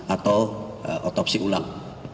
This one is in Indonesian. atau autopsi ulang